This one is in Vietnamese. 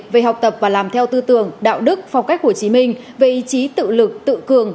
về học tập và làm theo tư tưởng đạo đức phong cách hồ chí minh về ý chí tự lực tự cường